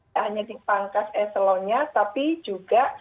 hanya dipangkas echelonnya tapi juga